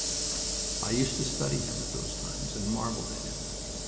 I used to study him at those times, and marveled at him.